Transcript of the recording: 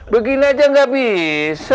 begini aja gak bisa